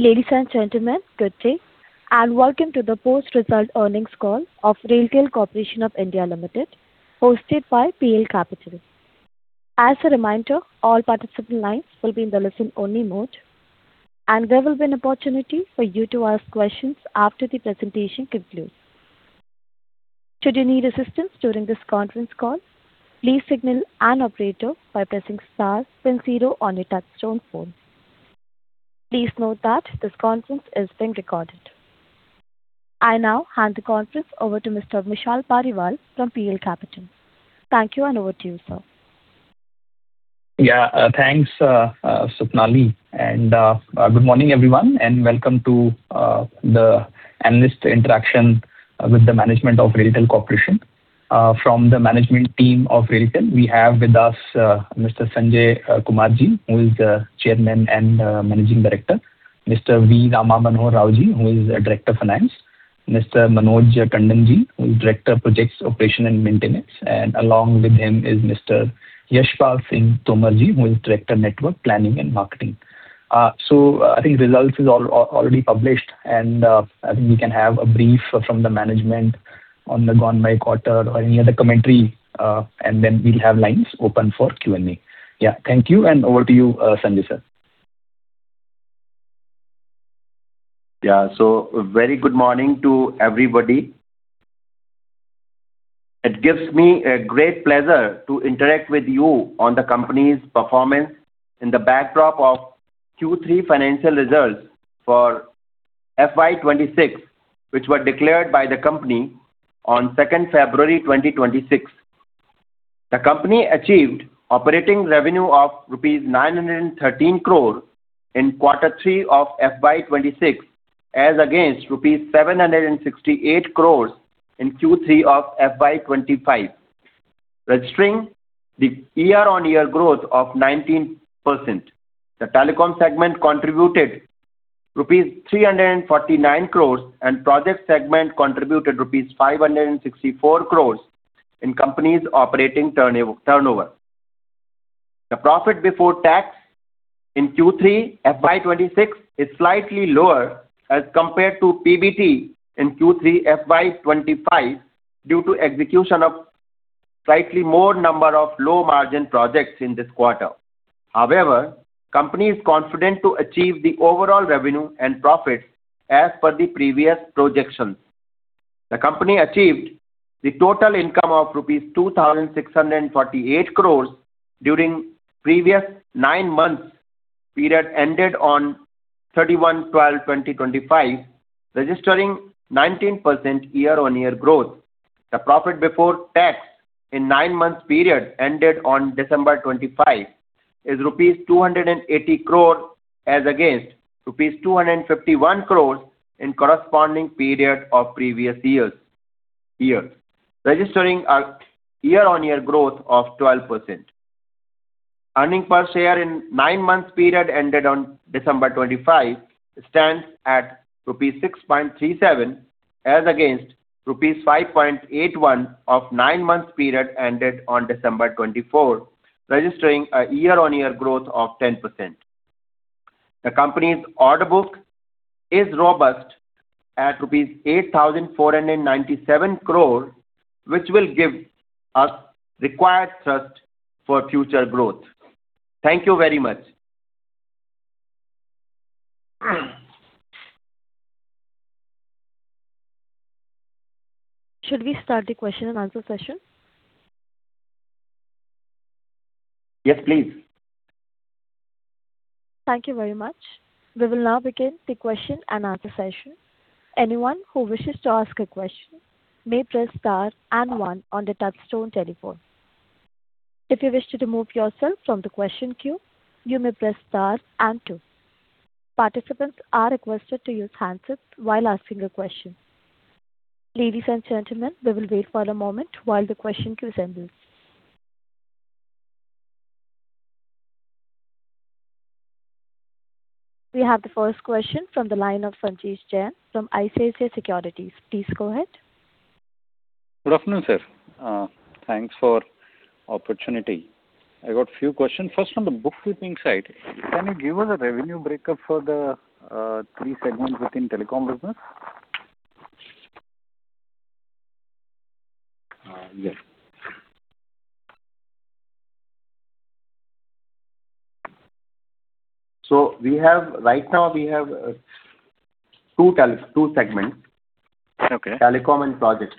Ladies and gentlemen, good day, and welcome to the post-result earnings call of RailTel Corporation of India Limited, hosted by PL Capital. As a reminder, all participant lines will be in the listen-only mode, and there will be an opportunity for you to ask questions after the presentation concludes. Should you need assistance during this conference call, please signal an operator by pressing star then zero on your touchtone phone. Please note that this conference is being recorded. I now hand the conference over to Mr. Vishal Periwal from PL Capital. Thank you, and over to you, sir. Yeah, thanks, Swapnali, and good morning, everyone, and welcome to the analyst interaction with the management of RailTel Corporation. From the management team of RailTel, we have with us Mr. Sanjai Kumar, who is the Chairman and Managing Director; Mr. V. Rama Manohara Rao, who is the Director of Finance; Mr. Manoj Tandon, who is Director of Projects, Operation, and Maintenance, and along with him is Mr. Yashpal Singh Tomar, who is Director of Network Planning and Marketing. So I think results is already published, and I think we can have a brief from the management on the gone-by quarter or any other commentary, and then we'll have lines open for Q&A. Yeah. Thank you, and over to you, Sanjai, sir. Yeah. So a very good morning to everybody. It gives me a great pleasure to interact with you on the company's performance in the backdrop of Q3 financial results for FY 2026, which were declared by the company on February 2, 2026. The company achieved operating revenue of rupees 913 crore in quarter three of FY 2026, as against rupees 768 crores in Q3 of FY 2025, registering the year-on-year growth of 19%. The telecom segment contributed rupees 349 crores, and project segment contributed rupees 564 crores in company's operating turnover. The profit before tax in Q3 FY 2026 is slightly lower as compared to PBT in Q3 FY 2025 due to execution of slightly more number of low-margin projects in this quarter. However, company is confident to achieve the overall revenue and profits as per the previous projections. The company achieved the total income of rupees 2,648 crore during previous nine months, period ended on thirty-one December 2025, registering 19% year-on-year growth. The profit before tax in nine months period ended on December 2025, is rupees 280 crore, as against rupees 251 crore in corresponding period of previous year, registering a year-on-year growth of 12%. Earnings per share in nine months period ended on December 2025, stands at INR 6.37, as against rupees 5.81 of nine months period ended on December 2024, registering a year-on-year growth of 10%. The company's order book is robust at rupees 8,497 crore, which will give us required thrust for future growth. Thank you very much. Should we start the Q&A session? Yes, please. Thank you very much. We will now begin the Q&A session. Anyone who wishes to ask a question may press star and one on the touchtone telephone. If you wish to remove yourself from the question queue, you may press star and two. Participants are requested to use handsets while asking a question. Ladies and gentlemen, we will wait for a moment while the questions assemble. We have the first question from the line of Sanjesh Jain from ICICI Securities. Please go ahead. Good afternoon, sir. Thanks for opportunity. I got a few questions. First, on the bookkeeping side, can you give us a revenue breakup for the three segments within telecom business? Yes. So we have, right now we have, two segments. Okay. Telecom and projects.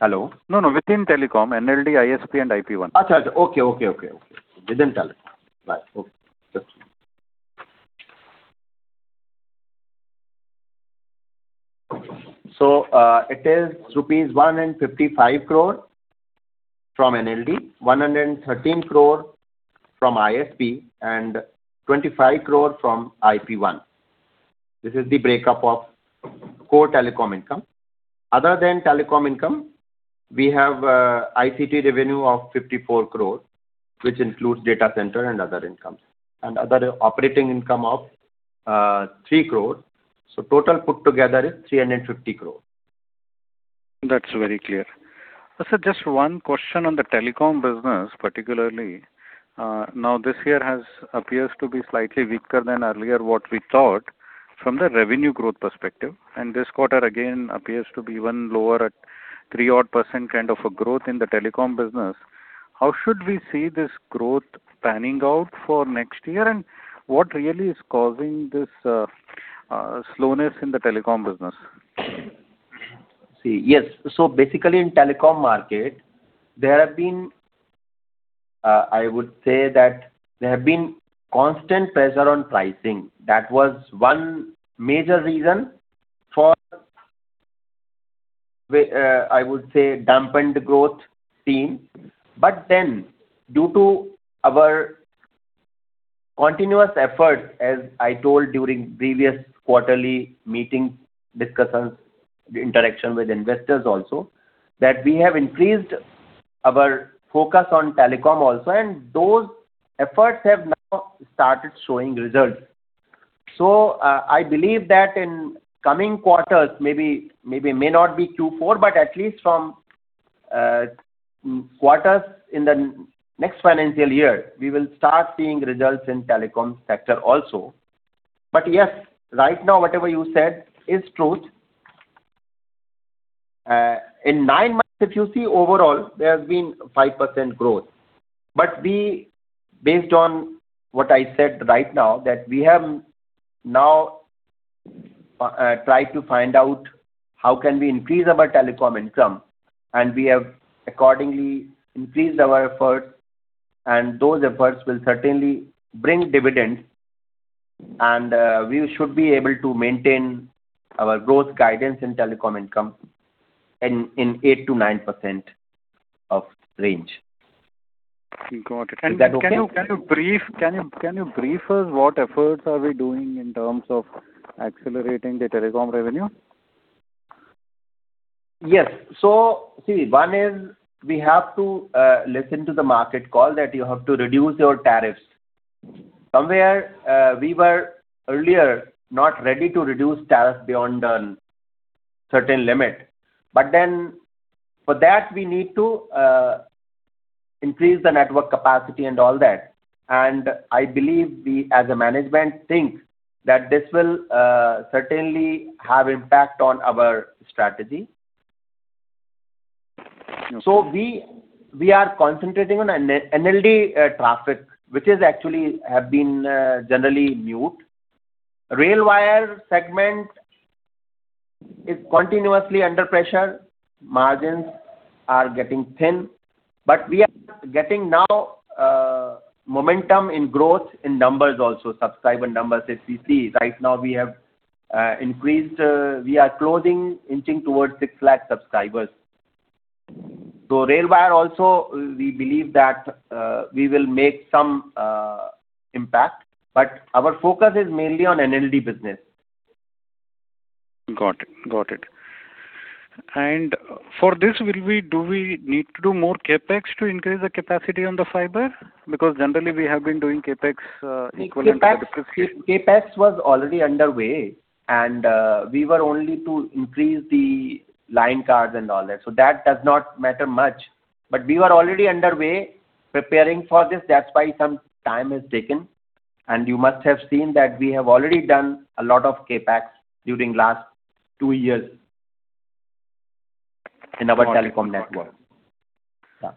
Hello? No, no. Within telecom, NLD, ISP, and IP-1. Acha, acha. Okay, okay, okay, okay. Within telecom. Right. Okay. So, it is rupees 155 crore from NLD, 113 crore from ISP, and 25 crore from IP-1. This is the breakup of core telecom income. Other than telecom income, we have, ICT revenue of 54 crore, which includes data center and other income, and other operating income of, 3 crore. So total put together is 350 crore. That's very clear. Sir, just one question on the telecom business, particularly, now this year has appears to be slightly weaker than earlier what we thought from the revenue growth perspective, and this quarter again appears to be even lower at 3% kind of a growth in the telecom business. How should we see this growth panning out for next year, and what really is causing this, slowness in the telecom business? See, yes. So basically, in telecom market, there have been. I would say that there have been constant pressure on pricing. That was one major reason for, I would say, dampened growth team. But then, due to our continuous effort, as I told during previous quarterly meeting discussions, the interaction with investors also, that we have increased our focus on telecom also, and those efforts have now started showing results. So, I believe that in coming quarters, maybe, maybe may not be Q4, but at least from quarters in the next financial year, we will start seeing results in telecom sector also. But yes, right now, whatever you said is true. In nine months, if you see overall, there have been 5% growth. But we, based on what I said right now, that we have now tried to find out how can we increase our telecom income, and we have accordingly increased our effort, and those efforts will certainly bring dividends, and we should be able to maintain our growth guidance in telecom income in 8%-9% range. Got it. Is that okay? Can you brief us what efforts are we doing in terms of accelerating the telecom revenue? Yes. So see, one is, we have to listen to the market call that you have to reduce your tariffs. Somewhere, we were earlier not ready to reduce tariffs beyond a certain limit, but then for that, we need to increase the network capacity and all that. And I believe we, as a management, think that this will certainly have impact on our strategy. Okay. So we are concentrating on NLD traffic, which is actually have been generally mute. RailWire segment is continuously under pressure. Margins are getting thin, but we are getting now momentum in growth in numbers also, subscriber numbers. If you see, right now, we have increased, we are closing, inching towards 600,000 subscribers. So RailWire also, we believe that we will make some impact, but our focus is mainly on NLD business. Got it. Got it. And for this, do we need to do more CapEx to increase the capacity on the fiber? Because generally we have been doing CapEx equivalent to the- CapEx, CapEx was already underway, and, we were only to increase the line cards and all that. So that does not matter much, but we were already underway preparing for this. That's why some time is taken. And you must have seen that we have already done a lot of CapEx during last two years in our telecom network. Got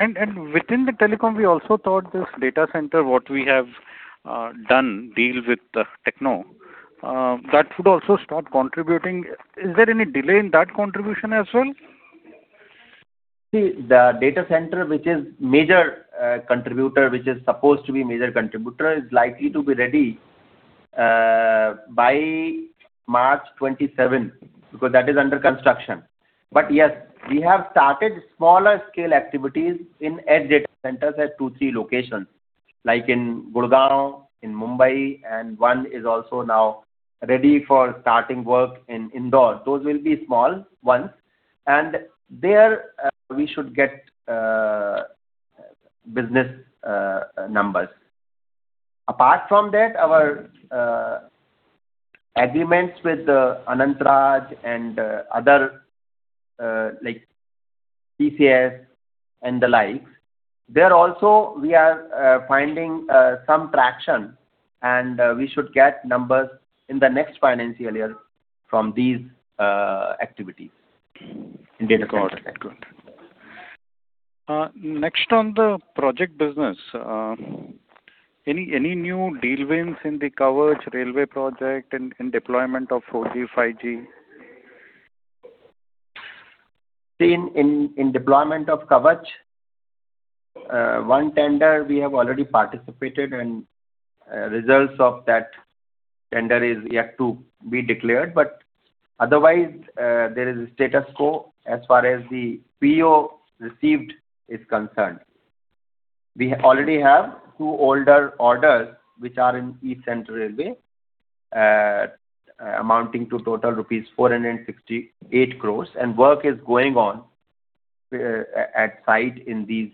it. Yeah. Within the telecom, we also thought this data center, what we have done deal with the Techno, that should also start contributing. Is there any delay in that contribution as well? See, the data center, which is major contributor, which is supposed to be major contributor, is likely to be ready by March 2027, because that is under construction. But yes, we have started smaller scale activities in Edge Data Centers at 2-3 locations, like in Gurgaon, in Mumbai, and one is also now ready for starting work in Indore. Those will be small ones, and there we should get business numbers. Apart from that, our agreements with Anant Raj and other like TCS and the like, there also we are finding some traction, and we should get numbers in the next financial year from these activities in data center. Next on the project business, any new deal wins in the Kavach railway project and in deployment of 4G, 5G? See, in deployment of Kavach, one tender we have already participated, and, results of that tender is yet to be declared, but otherwise, there is a status quo as far as the PO received is concerned. We already have two older orders, which are in East Central Railway, amounting to total rupees 468 crore, and work is going on, at site in these,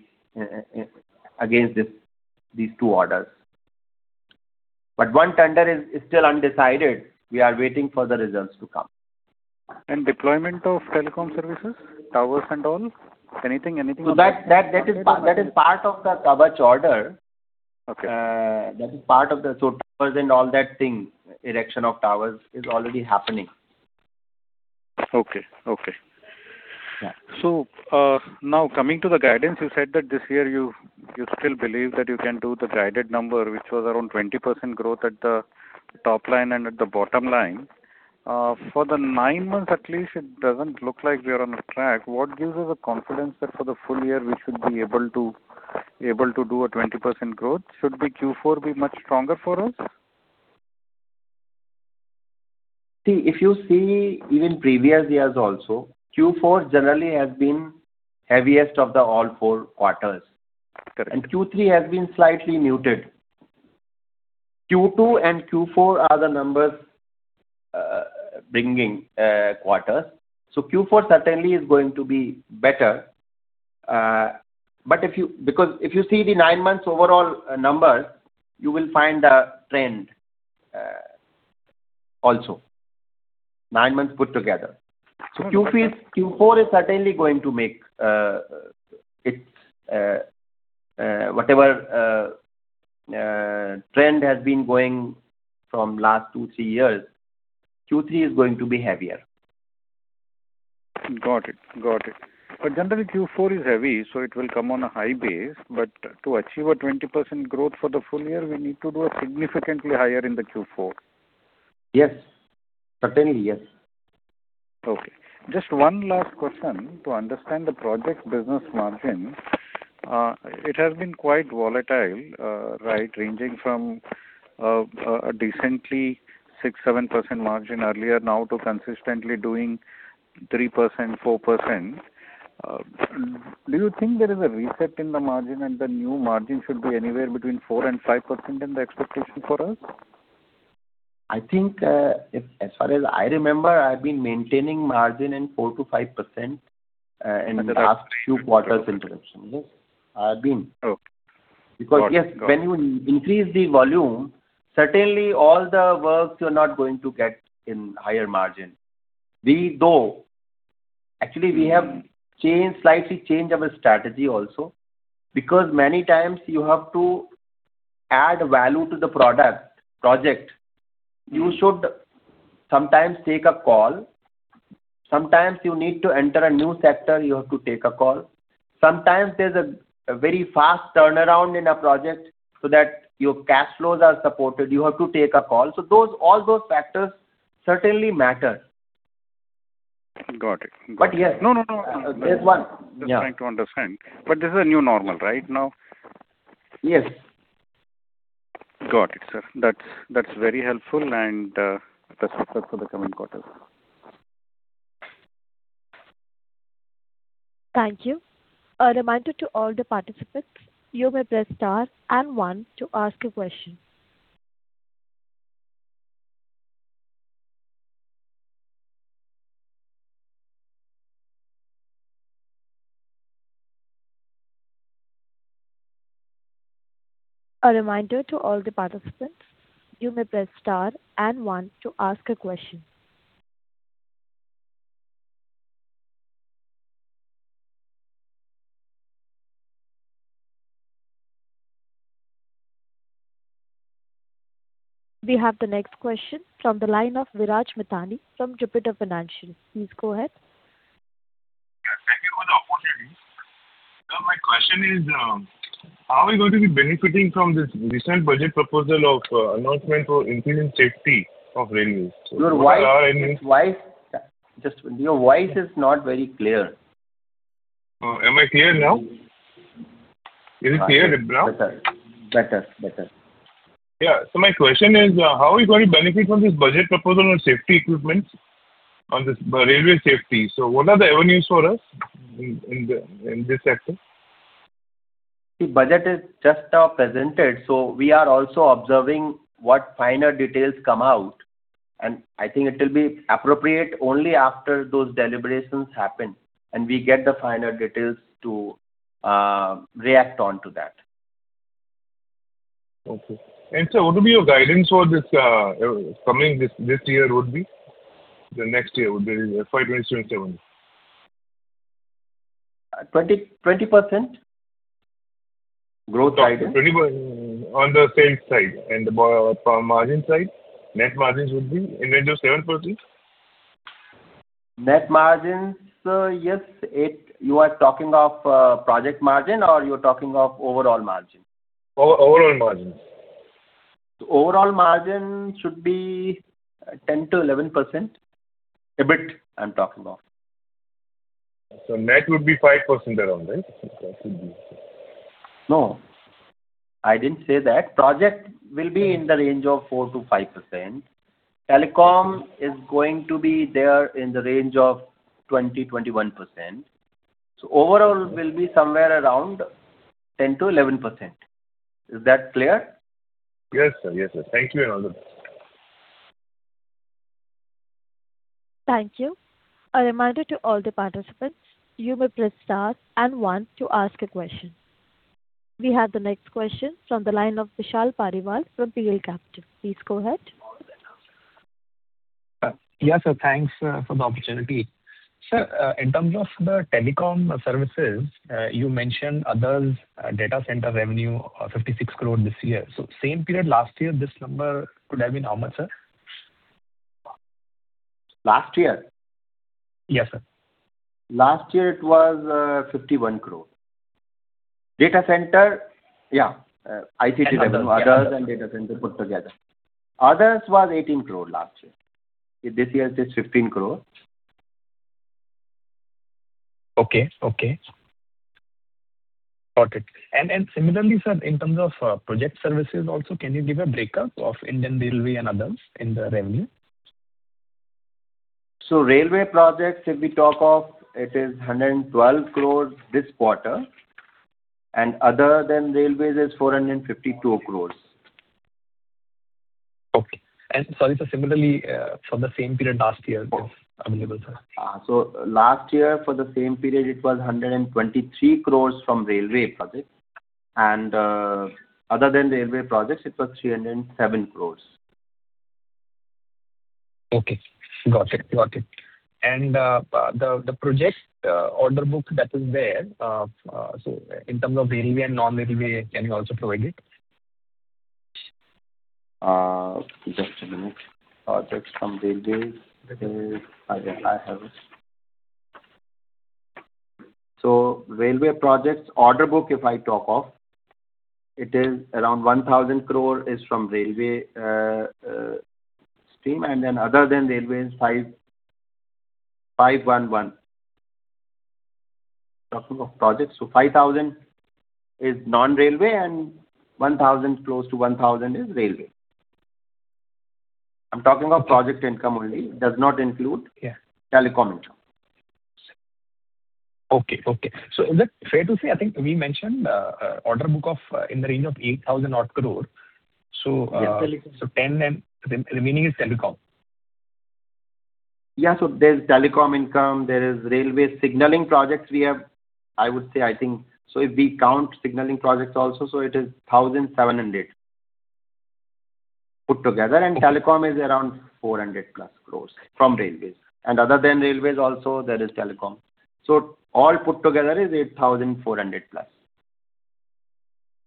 against this, these two orders. But one tender is still undecided. We are waiting for the results to come. Deployment of telecom services, towers, and all, anything... So that is part of the Kavach order. Okay. That is part of the total and all that thing, erection of towers is already happening. Okay, okay. Yeah. So, now, coming to the guidance, you said that this year, you still believe that you can do the guided number, which was around 20% growth at the top line and at the bottom line. For the nine months, at least, it doesn't look like we are on track. What gives us the confidence that for the full year, we should be able to do a 20% growth? Should Q4 be much stronger for us? See, if you see even previous years also, Q4 generally has been heaviest of the all four quarters. Correct. Q3 has been slightly muted. Q2 and Q4 are the numbers bringing quarters. Q4 certainly is going to be better. But because if you see the nine months overall numbers, you will find a trend also. Nine months put together. Q4 is certainly going to make its whatever trend has been going from last two, three years, Q3 is going to be heavier. Got it. Got it. But generally, Q4 is heavy, so it will come on a high base. But to achieve a 20% growth for the full year, we need to do a significantly higher in the Q4. Yes. Certainly, yes. Okay. Just one last question to understand the project business margin. It has been quite volatile, right? Ranging from a decently 6-7% margin earlier now to consistently doing 3%-4%. Do you think there is a reset in the margin, and the new margin should be anywhere between 4%-5% in the expectation for us? I think, if, as far as I remember, I've been maintaining margin in 4%-5%, in the last few quarters. Interruption. Yes, I have been. Okay. Because, yes- Got it. When you increase the volume, certainly all the works you're not going to get in higher margin. We, though. Actually, we have changed, slightly changed our strategy also, because many times you have to add value to the product, project. You should sometimes take a call, sometimes you need to enter a new sector, you have to take a call. Sometimes there's a very fast turnaround in a project so that your cash flows are supported, you have to take a call. So those, all those factors certainly matter. Got it. But yes- No, no, no, no. There's one. Yeah. Just trying to understand. But this is a new normal, right, now? Yes. Got it, sir. That's, that's very helpful and best wishes for the coming quarters. Thank you. A reminder to all the participants, you may press star and one to ask a question. A reminder to all the participants, you may press star and one to ask a question. We have the next question from the line of Viraj Mithani from Jupiter Financial. Please go ahead. Yeah, thank you for the opportunity. My question is, how are we going to be benefiting from this recent budget proposal of, announcement for increase in safety of railways? Your voice- There are any- Your voice, just your voice is not very clear. Am I clear now? Is it clear now? Better. Better, better. Yeah. So my question is: How are we going to benefit from this budget proposal on safety equipment, on this railway safety? So what are the avenues for us in this sector? The budget is just now presented, so we are also observing what finer details come out, and I think it will be appropriate only after those deliberations happen and we get the finer details to react on to that. Okay. Sir, what would be your guidance for this coming year? The next year would be fiscal 27. 20-20% growth item. On the sales side, and the margin side, net margins would be in the range of 7%? Net margins, sir, yes. You are talking of project margin or you're talking of overall margin? Overall margin. The overall margin should be 10%-11%, EBIT, I'm talking about. Net would be 5% around, right? No, I didn't say that. Project will be in the range of 4%-5%. Telecom is going to be there in the range of 20%-21%. So overall, will be somewhere around 10%-11%. Is that clear? Yes, sir. Yes, sir. Thank you very much. Thank you. A reminder to all the participants, you may press Star and One to ask a question. We have the next question from the line of Vishal Periwal from PL Capital. Please go ahead. Yes, sir, thanks for the opportunity. Sir, in terms of the telecom services, you mentioned others, data center revenue of 56 crore this year. So same period last year, this number could have been how much, sir? Last year? Yes, sir. Last year it was 51 crore. Data center, yeah, ICT revenue, others and data center put together. Others was 18 crore last year. This year it is 15 crore. Okay, okay. Got it. And similarly, sir, in terms of project services also, can you give a breakup of Indian Railways and others in the revenue? Railway projects, if we talk of, it is 112 crore this quarter, and other than railways, is 452 crore. Okay. Sorry, sir, similarly, from the same period last year, if available, sir. So last year, for the same period, it was 123 crores from railway project, and other than railway projects, it was 307 crores. Okay. Got it. Got it. And the project order book that is there, so in terms of railway and non-railway, can you also provide it? Just a minute. Projects from railway, it is... I have it. So railway projects, order book, if I talk of, it is around 1,000 crore from railway stream, and then other than railway is 5,511. Talking of projects, so 5,000 crore is non-railway and 1,000 crore, close to 1,000 crore is railway. I'm talking of project income only, it does not include- Yeah. Telecom income. Okay, okay. So is it fair to say, I think we mentioned, order book of in the range of 8,000-odd crore. So, Yeah, telecom. 10, and the remaining is telecom? Yeah, so there's telecom income, there is railway signaling projects we have... I would say, I think, so if we count signaling projects also, so it is 1,700 crore, put together, and telecom is around 400+ crores from railways. And other than railways also, there is telecom. So all put together is 8,400+.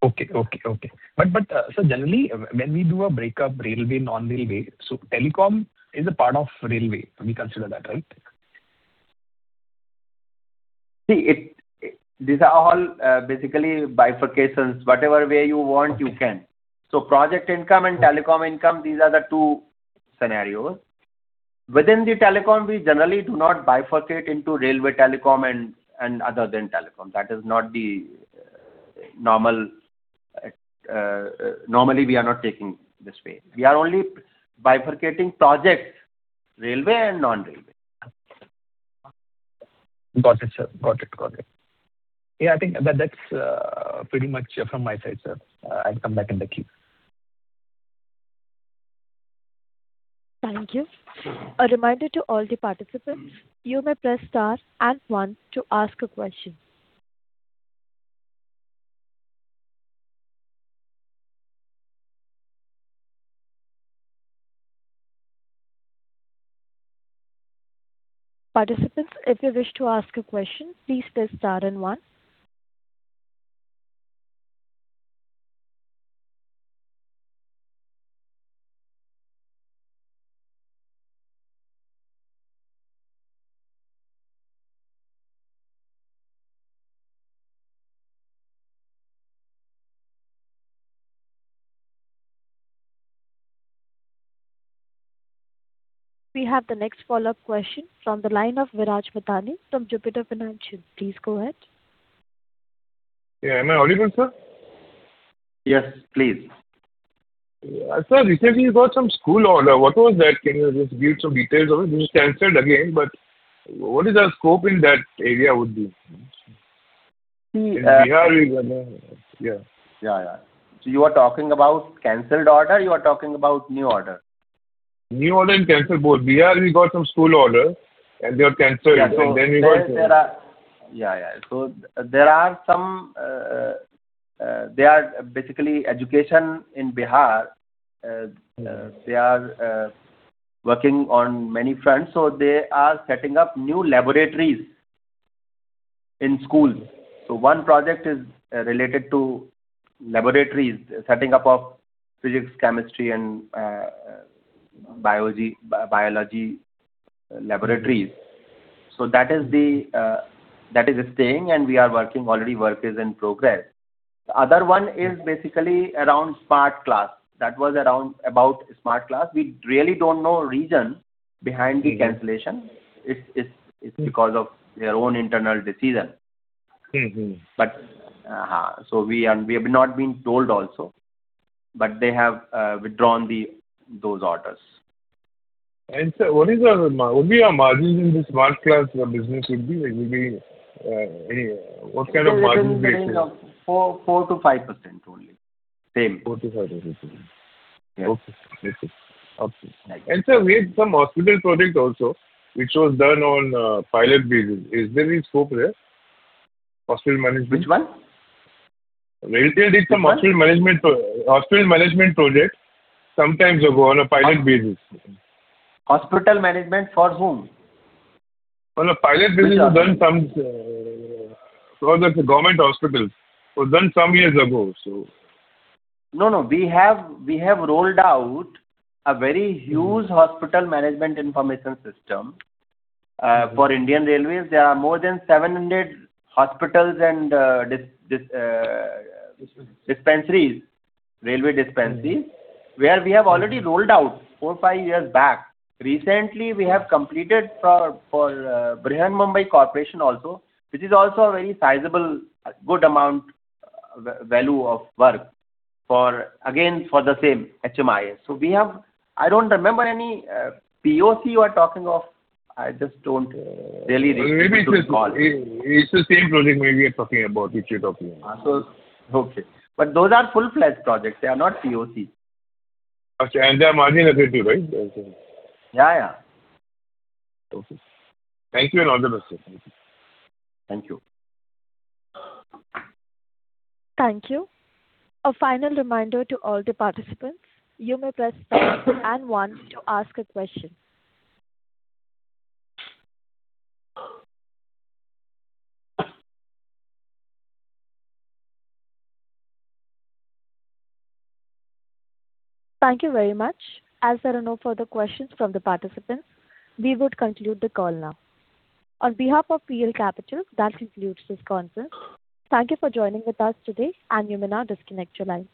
Okay, okay, okay. But so generally, when we do a breakup, railway, non-railway, so telecom is a part of railway, we consider that, right? See, it, these are all basically bifurcations. Whatever way you want, you can. So project income and telecom income, these are the two scenarios. Within the telecom, we generally do not bifurcate into railway telecom and other than telecom. That is not the normal, normally, we are not taking this way. We are only bifurcating project, railway and non-railway. Got it, sir. Got it, got it. Yeah, I think that, that's pretty much from my side, sir. I'll come back in the queue. Thank you. A reminder to all the participants, you may press Star and One to ask a question. Participants, if you wish to ask a question, please press Star and One. We have the next follow-up question from the line of Viraj Mithani from Jupiter Financial. Please go ahead. Yeah. Am I audible, sir? Yes, please. Sir, recently you got some school order. What was that? Can you just give some details of it? It was canceled again, but what is the scope in that area would be? In Bihar, we got it, yeah. Yeah, yeah. So you are talking about canceled order, or you are talking about new order? New order and cancel both. Bihar, we got some school order, and they were canceled, and then we got- There are yeah, yeah. So there are some, they are basically education in Bihar. They are working on many fronts, so they are setting up new laboratories in schools. So one project is related to laboratories, setting up of physics, chemistry and biology laboratories. So that is the, that is staying, and we are working. Already work is in progress. The other one is basically around smart class. That was around, about smart class. We really don't know reason behind the cancellation. It's because of their own internal decision. But, so we are, we have not been told also, but they have withdrawn those orders. Sir, what is the margin in the Smart Class business? What kind of margin would that be? It will be, what kind of margin there is? 4%-5% only. Same, 45. Okay. And sir, we have some hospital project also, which was done on pilot basis. Is there any scope there? Hospital management. Which one? RailTel did some hospital management project some time ago on a pilot basis. Hospital management for whom? On a pilot basis, done some for the government hospitals, was done some years ago, so. No, no, we have, we have rolled out a very huge hospital management information system for Indian Railways. There are more than 700 hospitals and dispensaries, railway dispensaries, where we have already rolled out 4, 5 years back. Recently, we have completed for Brihanmumbai Corporation also, which is also a very sizable, good amount, value of work for, again, for the same HMIS. So we have... I don't remember any POC you are talking of. I just don't really recall. Maybe it's, it's the same project maybe you're talking about, which you're talking about. So, okay. But those are full-fledged projects. They are not POC. Okay, and they are margin effective, right? Yeah, yeah. Okay. Thank you, and all the best, sir. Thank you. Thank you. A final reminder to all the participants, you may press star and one to ask a question. Thank you very much. As there are no further questions from the participants, we would conclude the call now. On behalf of PL Capital, that concludes this conference. Thank you for joining with us today, and you may now disconnect your line.